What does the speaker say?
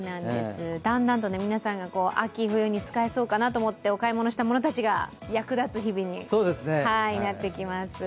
だんだんと皆さんが秋冬に使えそうかなと思ってお買い物したものたちが役立つ日々になってきます。